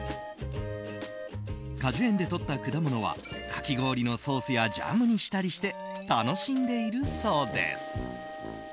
果樹園でとった果物はかき氷のソースやジャムにしたりして楽しんでいるそうです。